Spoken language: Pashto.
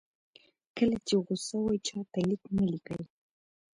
کله چې غوسه وئ چاته لیک مه لیکئ.